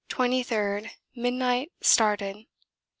23rd. Midnight, started.